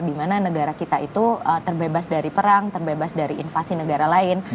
dimana negara kita itu terbebas dari perang terbebas dari invasi negara lain